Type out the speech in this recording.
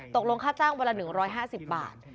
ตกลงค่าจ้างวันละ๑๕๐บาท